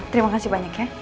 terima kasih banyak ya